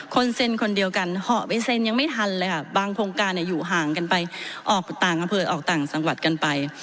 คนเซ็นคนเดียวกันเหาะไปเซ็นยังไม่ทันเลยค่ะบางโครงการอยู่ห่างกันไปออกต่างอำเภอออกต่างจังหวัดกันไป